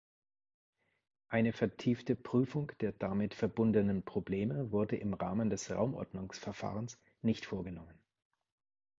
Eine vertiefte Prüfung der damit verbundenen Probleme wurde im Rahmen des Raumordnungsverfahrens nicht vorgenommen.